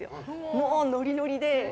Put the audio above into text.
もうノリノリで。